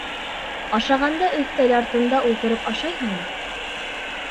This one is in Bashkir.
— Ашағанда өҫтәл артына ултырып ашайһыңмы?..